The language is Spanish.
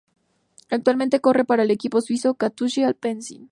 Actualmente corre para el equipo suizo Katusha-Alpecin.